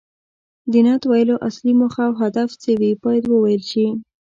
د نعت ویلو اصلي موخه او هدف څه وي باید وویل شي.